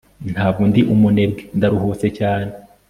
ntabwo ndi umunebwe, ndaruhutse cyane